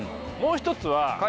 もう１つは。